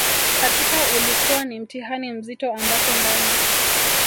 Hakika ulikua ni mtihani mzito ambapo ndani